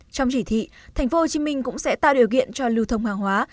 trong chỉ thị thành phố hồ chí minh cũng sẽ tạo điều kiện cho lưu thông hàng hóa